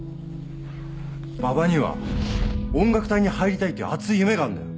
馬場には音楽隊に入りたいっていう熱い夢があんだよ。